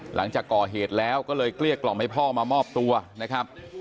หลังจากก่อเหตุแล้วก็เลยเกลี้ยกล่อมให้พ่อมามอบตัวนะครับ